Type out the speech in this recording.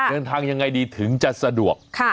เดินทางยังไงดีถึงจะสะดวกค่ะ